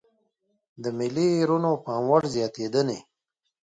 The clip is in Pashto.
د ملي ايرونو پاموړ زياتېدنې.